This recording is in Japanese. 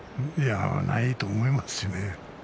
ないと思いますしね。